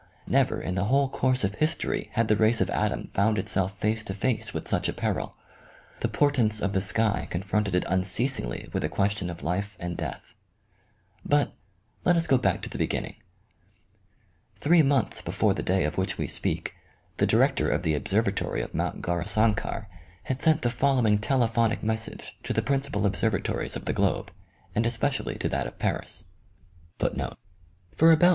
Never, in the whole course of history had the race of Adam found itself face to face with such a peril. The portents of the sky con fronted it unceasingly with a question of life and death. But, let us go back to the beginning. Three months before the day of which we speak, the director of the observatory of Mount Gaurisankar had sent the following telephonic message to the principal observa tories of the globe, and especially to that of Paris :* "A telescopic comet discovered tonight, in 290, 15' right ascension, and 21, 54' south declination.